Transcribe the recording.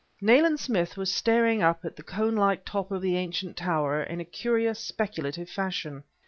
Nayland Smith was staring up at the cone like top of the ancient tower in a curious, speculative fashion.